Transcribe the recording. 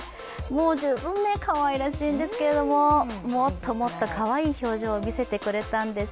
十分かわいらしいんですけれども、もっともっとかわいい表情を見せてくれたんです。